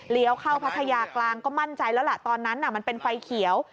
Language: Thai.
เข้าพัทยากลางก็มั่นใจแล้วล่ะตอนนั้นมันเป็นไฟเขียว